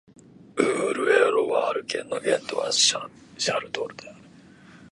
ウール＝エ＝ロワール県の県都はシャルトルである